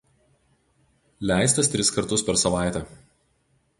Leistas tris kartus per savaitę.